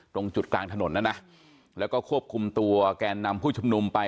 ตรงจุดกลางถนนนะนะแล้วก็ควบคุมตัวแกนนำผู้ชุมนุมไป